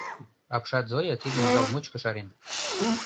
Апшат Зоя тидым ял мучко шарен.